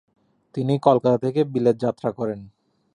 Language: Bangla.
তিনি কলকাতা থেকে বিলেত যাত্রা করেন।